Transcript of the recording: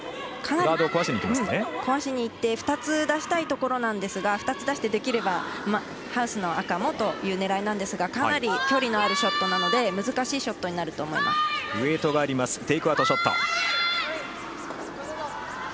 ガードを壊しにいって２つ出したいところなんですが２つ出して、できればハウスの赤もという狙いなんですがかなり距離のあるショットなので難しいショットになると思います。